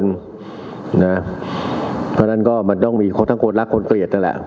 เพราะฉะนั้นก็มันต้องมีคนทั้งคนรักคนเกลียดนั่นแหละ